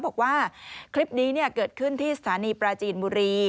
บอกว่าคลิปนี้เกิดขึ้นที่สถานีปราจีนบุรี